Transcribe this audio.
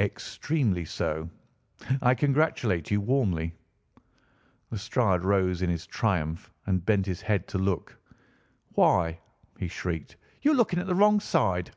"Extremely so. I congratulate you warmly." Lestrade rose in his triumph and bent his head to look. "Why," he shrieked, "you're looking at the wrong side!"